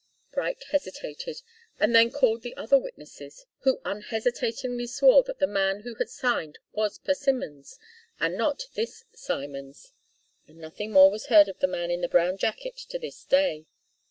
Bright hesitated, and then called the other witnesses, who unhesitatingly swore that the man who had signed was Persimmons and not this Simons. And nothing more was heard of the man in the brown jacket to this day.